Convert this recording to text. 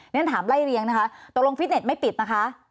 ฉันถามไล่เลี้ยงนะคะตกลงฟิตเน็ตไม่ปิดนะคะ